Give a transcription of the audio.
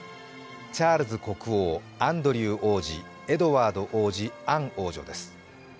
チャールズ国王、アンドリュー王子、エドワード王子、アン王女です。